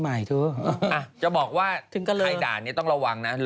อะจะบอกว่าักบัวเนี่ยต้องระวังนะ